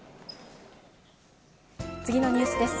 次のニュースです。